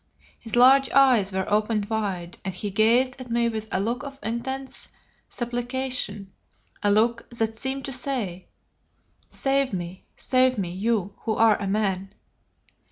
His large eyes were opened wide, and he gazed at me with a look of intense supplication, a look that seemed to say, 'Save me, save me, you, who are a man.'